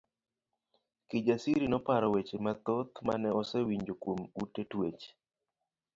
Kijasiri noparo weche mathoth mane osewinjo kuom ute twech.